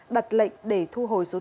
đặt lệnh để thu hồi tiền bị lừa đảo